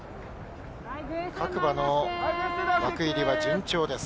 各馬の枠入りは順調です。